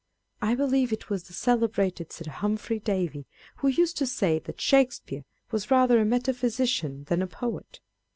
I believe it was the celebrated Sir Humphry Davy who used to say, that Shakespeare was rather a metaphysician than a poet.